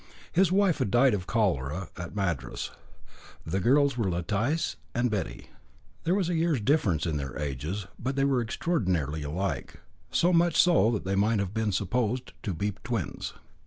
His wife had died of cholera at Madras. The girls were Letice and Betty. There was a year's difference in their ages, but they were extraordinarily alike, so much so that they might have been supposed to be twins.